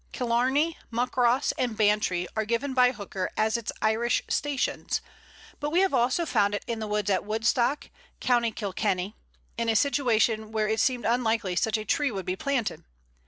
Killarney, Muckross, and Bantry are given by Hooker as its Irish stations, but we have also found it in the woods at Woodstock, Co. Kilkenny, in a situation where it seemed unlikely such a tree would be planted.